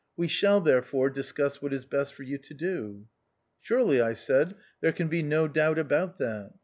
We shall, therefore, discuss what is best for you to do." " Surely," I said, " there can be no doubt about that.